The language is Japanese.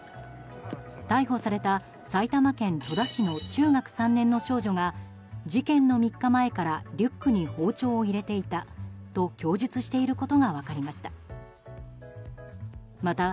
逮捕された埼玉県戸田市の中学３年の少女が事件の３日前からリュックに包丁を入れていたと供述していることが分かりました。